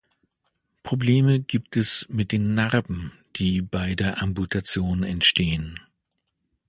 Probleme gibt es mit den Narben, die bei der Amputation entstehen.